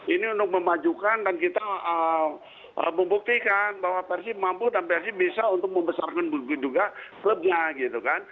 ini untuk memajukan dan kita membuktikan bahwa persib mampu dan persib bisa untuk membesarkan juga klubnya gitu kan